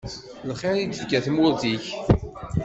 Lxir i d-tefka tmurt-ik.